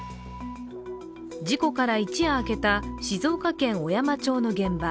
事故から一夜明けた静岡県小山町の現場。